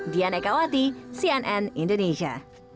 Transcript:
diana ekawati cnn indonesia